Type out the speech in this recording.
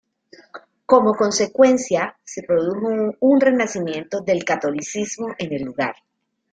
Como consecuencia, se produjo un renacimiento del catolicismo en el lugar.